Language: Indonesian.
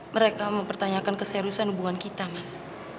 mereka mempertanyakan keseriusan hubungan kita mas